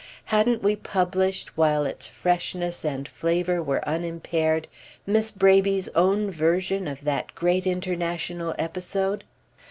Hadn't we published, while its freshness and flavour were unimpaired, Miss Braby's own version of that great international episode?